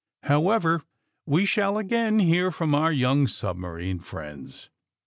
However, we shall again hear from our young submarine friends.